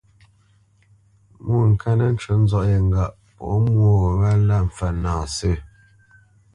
Mwôŋkát nə́ ncú nzɔ̌ʼ yé ŋgâʼ pɔ̌ mwô gho wálā mpfə́ nâ sə̂.